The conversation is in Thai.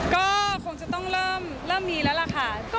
ก็คงจะต้องเริ่มมีแล้วล่ะค่ะ